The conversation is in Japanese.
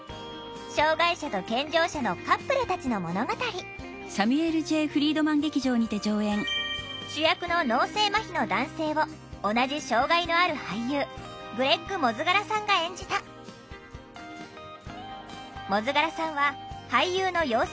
障害者と健常者のカップルたちの物語主役の脳性まひの男性を同じ障害のある俳優グレッグ・モズガラさんが演じたモズガラさんは俳優の養成